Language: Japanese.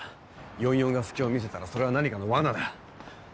４４が隙を見せたらそれは何かの罠だ。